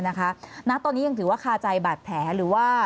ณตอนนี้ยังถือว่าคาใจบาดแผลหรือว่า